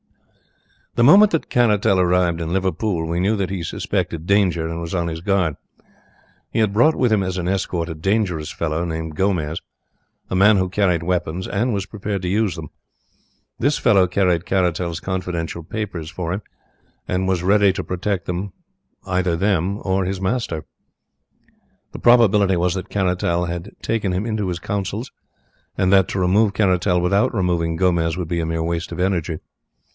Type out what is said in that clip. "The moment that Caratal arrived in Liverpool we knew that he suspected danger and was on his guard. He had brought with him as an escort a dangerous fellow, named Gomez, a man who carried weapons, and was prepared to use them. This fellow carried Caratal's confidential papers for him, and was ready to protect either them or his master. The probability was that Caratal had taken him into his counsel, and that to remove Caratal without removing Gomez would be a mere waste of energy.